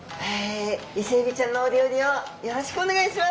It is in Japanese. イセエビちゃんのお料理をよろしくお願いします！